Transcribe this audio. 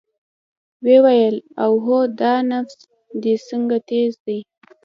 ويې ويل اوهو دا نبض دې څنګه تېز دى.